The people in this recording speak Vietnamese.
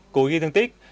cố ghi thương tích